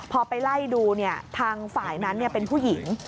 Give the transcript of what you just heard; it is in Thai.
พอไปไล่ดูทางฝ่ายนั้นเป็นผู้หญิง